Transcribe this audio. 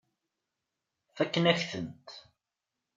Fakken-ak-tent.